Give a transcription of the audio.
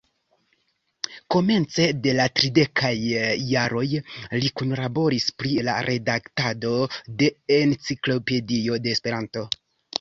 Komence de la tridekaj jaroj li kunlaboris pri la redaktado de Enciklopedio de Esperanto.